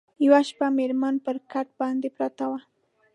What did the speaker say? یوه شپه مېرمن پر کټ باندي پرته وه